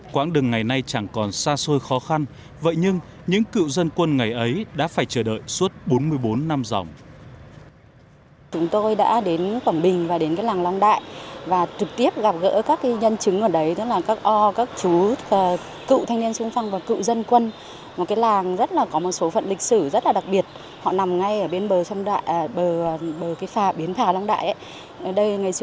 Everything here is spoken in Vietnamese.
quảng đường ngày nay chẳng còn xa xôi khó khăn vậy nhưng những cựu dân quân ngày ấy đã phải chờ đợi suốt bốn mươi bốn năm dòng